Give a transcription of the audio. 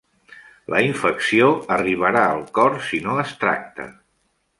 La infecció arribarà al cor si no es tracta.